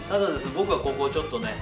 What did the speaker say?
僕はここちょっとね